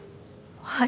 はい。